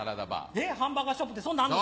ハンバーガーショップってそんなんあるの？